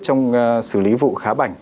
trong xử lý vụ khá bảnh